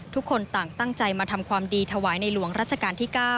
ทุกคนต่างตั้งใจมาทำความดีถวายในหลวงรัชกาลที่๙